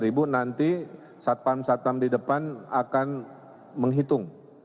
itu nanti satpam satpam di depan akan menghitung